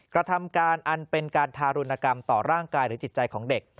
กระทำการอันเป็นการทารุณกรรมต่อร่างกายหรือจิตใจของเด็ก